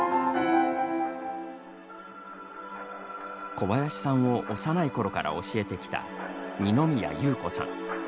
小林さんを幼いころから教えてきた二宮裕子さん。